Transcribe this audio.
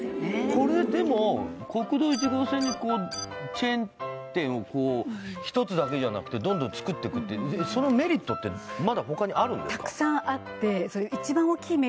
これでも国道１号線にチェーン店をこう１つだけじゃなくてどんどん作ってくってそのメリットってまだ他にあるんですか？